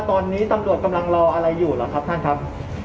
ตอนนี้ตำรวจกำลาดรออะไรอยู่หรอครับ